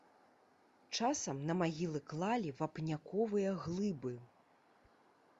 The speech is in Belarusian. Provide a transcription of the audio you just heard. Часам на магілы клалі вапняковыя глыбы.